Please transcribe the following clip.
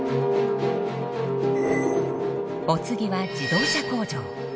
お次は自動車工場。